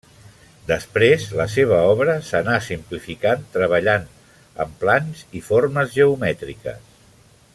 Després, la seva obra s'anà simplificant treballant amb plans i formes geomètriques.